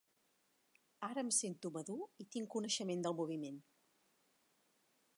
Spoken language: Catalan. Ara em sento madur i tinc coneixement del moviment.